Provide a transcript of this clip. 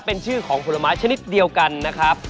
เป็นชื่อของผลไม้ชนิดเดียวกันนะครับ